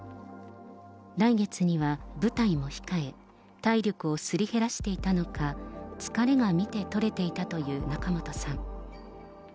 来月には舞台を控え、体力をすり減らしていたのか、疲れが見て取れていたという仲本さん。